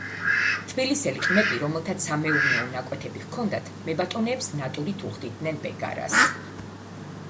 თბილისელი ყმები რომელთაც სამეურნეო ნაკვეთები ჰქონდათ, მებატონეებს ნატურით უხდიდნენ ბეგარას.